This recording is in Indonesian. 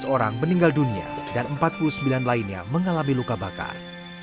tujuh belas orang meninggal dunia dan empat puluh sembilan lainnya mengalami luka bakar